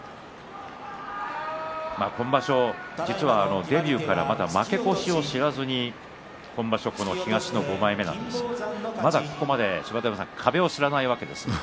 今場所、デビューからまだ負け越しを知らずに東の５枚目なんですがここまで壁を知らないわけですね。